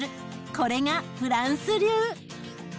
これがフランス流。